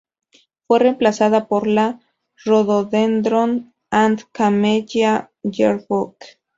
Fue reemplazada por la "Rhododendron and Camellia Year Book".